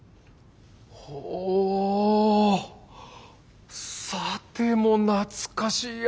ほうさても懐かしや。